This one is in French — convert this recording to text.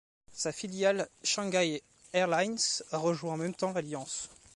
Sa filiale Shanghai Airlines a rejoint en même temps l'alliance.